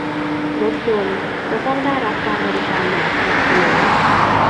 รถยนต์จะต้องได้รับการบริการอย่างสม่ำเสมอ